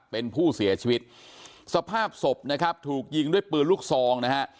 เป็นผู้เสียชีวิตสภาพศพนะครับถูกยิงด้วยปืนลูกซองนะฮะ